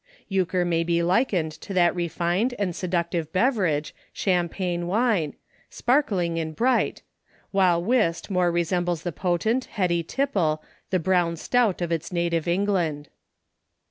Euchre may be likened to that refined and seductive beverage.. Champagne wine — spark ling and bright — while Whist more resem bles the potent, heady tipple, the Brown stout of its native England.